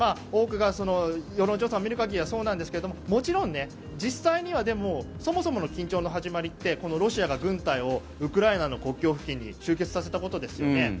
多くが世論調査を見る限りはそうなんですけどもちろん実際にはでもそもそもの緊張の始まりってこのロシアが軍隊をウクライナの国境付近に集結させたことですよね。